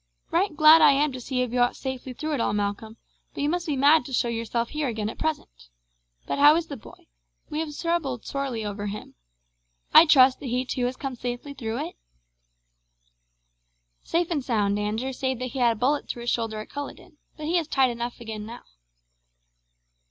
"Right glad I am to see you have got safely through it all, Malcolm, but you must be mad to show yourself here again at present. But how is the boy? We have troubled sorely over him. I trust that he too has come safely through it?" "Safe and sound, Andrew, save that he had a bullet through his shoulder at Culloden; but he is tight enough again now."